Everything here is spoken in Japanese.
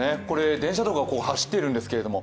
電車とか走ってるんですけど。